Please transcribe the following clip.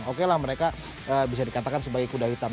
oke lah mereka bisa dikatakan sebagai kuda hitam